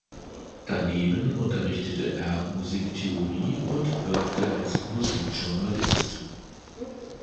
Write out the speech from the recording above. Daneben unterrichtete er Musiktheorie und wirkte als Musikjournalist.